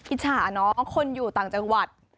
อิจฉาเนาะคนอยู่ต่างจังหวัด